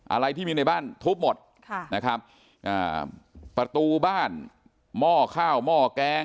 อะไรที่มีในบ้านทุบหมดค่ะนะครับอ่าประตูบ้านหม้อข้าวหม้อแกง